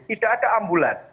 tidak ada ambulans